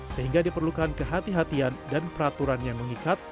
sehingga diperlukan kehatian dan peraturan yang mengikat